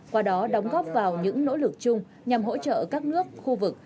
qua đó đóng góp vào những nỗ lực chung nhằm hỗ trợ các nước khu vực